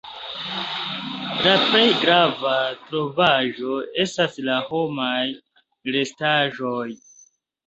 La plej grava trovaĵo estas la homaj restaĵoj.